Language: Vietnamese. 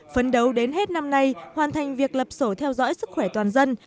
phấn đấu đến hết năm nay hoàn thành việc lập sổ theo dõi sức khỏe toàn dân